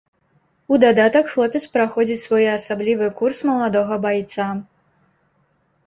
У дадатак хлопец праходзіць своеасаблівы курс маладога байца.